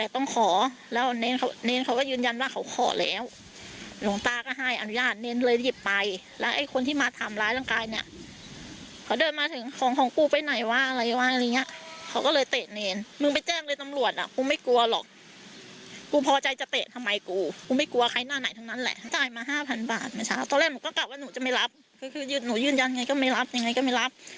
ตอนแรกก็กลับว่าหนูจะไม่รับหนูยืนยันไงก็ไม่รับ